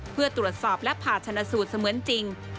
เพื่อตรวจสอบและผ่าชนะสูตรเสมือนจริง